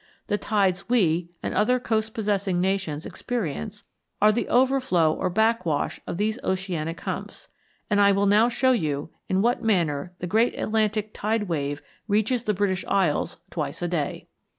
The tides we, and other coast possessing nations, experience are the overflow or back wash of these oceanic humps, and I will now show you in what manner the great Atlantic tide wave reaches the British Isles twice a day.